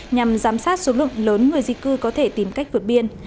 nhằm giám sát số lượng lớn người di cư có thể tìm cách vượt biên